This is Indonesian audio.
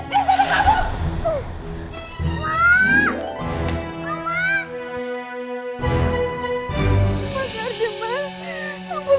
mas ardi mas